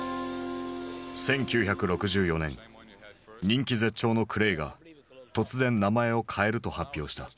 人気絶頂のクレイが突然名前を変えると発表した。